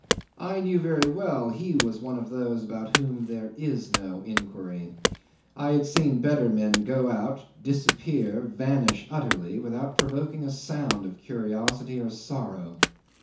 I knew very well he was of those about whom there is no inquiry; I had seen better men go out, disappear, vanish utterly, without provoking a sound of curiosity or sorrow.